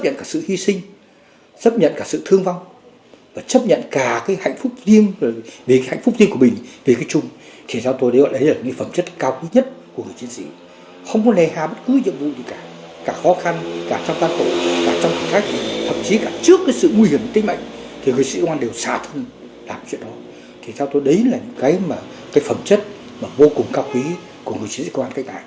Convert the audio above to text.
đấy là những cái phẩm chất mà vô cùng cao quý của người chiến sĩ công an các bạn